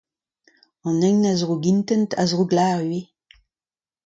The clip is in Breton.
An hini a zrougintent a zrouklavar ivez.